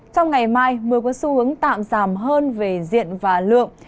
trong ngày mai mưa có xu hướng tạm giảm hơn về diện và lượng